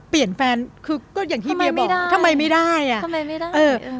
เปลี่ยนแฟนคือก็อย่างที่เบียร์บอกทำไมไม่ได้ทำไมไม่ได้เออ